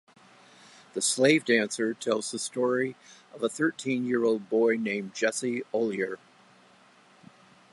"The Slave Dancer" tells the story of a thirteen-year-old boy named Jesse Ollier.